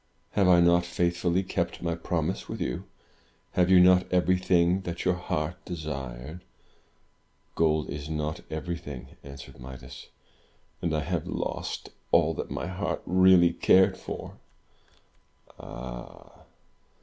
Have I not faithfully kept my promise with you? Have you not everything that your heart desired?" "Gold is not everything," answered Midas. "And I have lost all that my heart really cared for." "Ah!